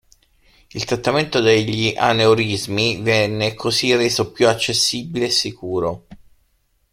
Il trattamento degli aneurismi venne così reso più accessibile e sicuro.